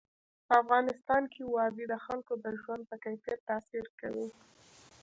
په افغانستان کې وادي د خلکو د ژوند په کیفیت تاثیر کوي.